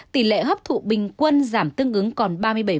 tỷ lệ hấp thụ bình quân giảm tương ứng còn ba mươi bảy